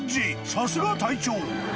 さすが隊長］